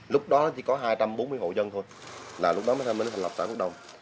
lúc đó chỉ có hai trăm bốn mươi hộ dân thôi là lúc đó mới thành lập xã phước đồng